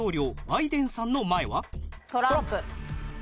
トランプ。